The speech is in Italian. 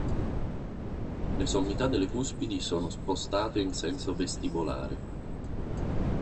Le sommità delle cuspidi sono spostate in senso vestibolare.